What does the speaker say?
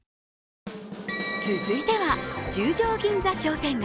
続いては、十条銀座商店街。